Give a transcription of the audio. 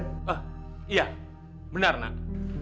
hah iya benar nan